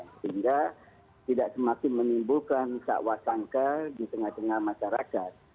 sehingga tidak semakin menimbulkan sakwa sangka di tengah tengah masyarakat